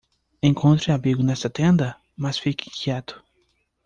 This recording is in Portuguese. Encontre abrigo nesta tenda?, mas fique quieto.